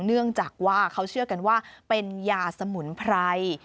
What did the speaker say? เนื่องจากว่าเขาเชื่อกันว่าเป็นยาสมุนไพร